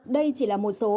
đây chỉ là một bài hỏi